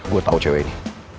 gue tau cewek ini